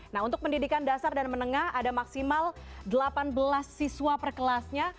nah untuk pendidikan dasar dan menengah ada maksimal delapan belas siswa per kelasnya